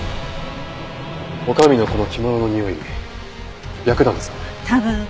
女将のこの着物のにおい白檀ですかね。